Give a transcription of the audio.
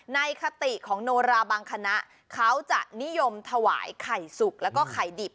คติของโนราบางคณะเขาจะนิยมถวายไข่สุกแล้วก็ไข่ดิบ